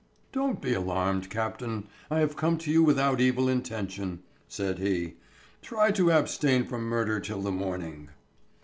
"Don't be alarmed, Captain. I have come to you without evil intention," said he. "Try to abstain from murder till the morning."